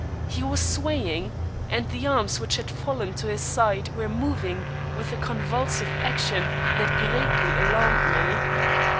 He was swaying, and the arms which had fallen to his side were moving with a convulsive action that greatly alarmed me.